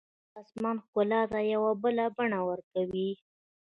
ستوري د اسمان ښکلا ته یو بله بڼه ورکوي.